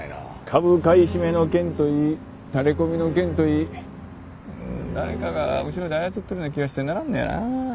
株買い占めの件といい垂れ込みの件といい誰かが後ろで操ってるような気がしてならんのやな。